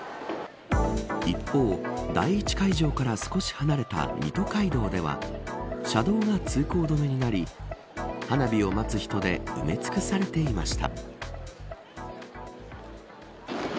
一方、第１会場から少し離れた水戸街道では車両が通行止めになり花火を待つ人で埋め尽くされていました。